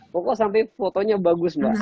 pokoknya sampai fotonya bagus